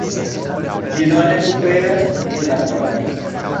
Ĝi do ne superas el la krono.